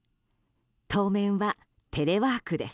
当面はテレワークです。